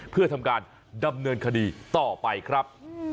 เพื่อทำการดำเนินคดีต่อไปครับ